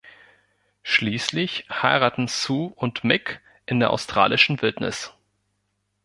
Schließlich heiraten Sue und Mick in der australischen Wildnis.